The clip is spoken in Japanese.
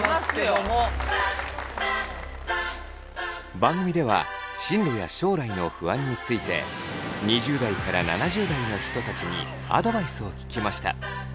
番組では進路や将来の不安について２０代から７０代の人たちにアドバイスを聞きました。